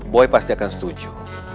boy pasti akan setuju